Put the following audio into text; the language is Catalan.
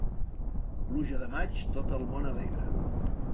Pluja de maig, tot el món alegra.